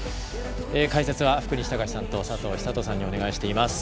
解説は福西崇史さんと佐藤寿人さんにお願いしています。